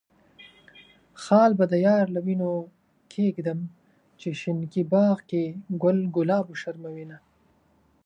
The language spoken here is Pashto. خال به د يار له وينو کيږدم، چې شينکي باغ کې ګل ګلاب وشرموينه.